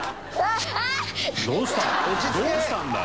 どうしたんだよ？